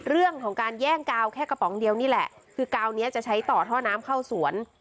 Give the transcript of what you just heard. เรื่องของการแย่งกาวแค่กระป๋องเดียวนี่แหละคือกาวนี้จะใช้ต่อท่อน้ำเข้าสวน